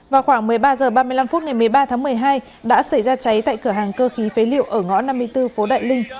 vào khoảng một mươi ba h ba mươi năm phút ngày một mươi ba tháng một mươi hai đã xảy ra cháy tại cửa hàng cơ khí phế liệu ở ngõ năm mươi bốn phố đại linh